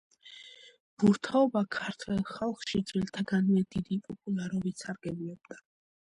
ბურთაობა ქართველ ხალხში ძველთაგანვე დიდი პოპულარობით სარგებლობდა.